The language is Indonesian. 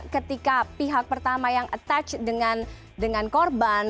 ketika pihak pertama yang attach dengan korban